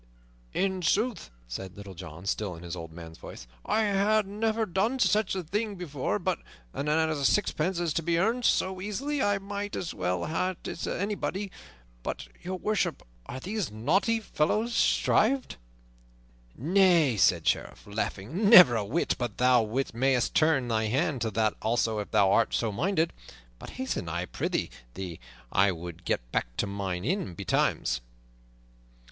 "In sooth," said Little John, still in the old man's voice, "I ha' never done such a thing before; but an a sixpence is to be earned so easily I might as well ha' it as anybody. But, Your Worship, are these naughty fellows shrived?" "Nay," said the Sheriff, laughing, "never a whit; but thou mayst turn thy hand to that also if thou art so minded. But hasten, I prythee, for I would get back to mine inn betimes."